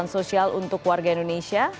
bantuan sosial untuk warga indonesia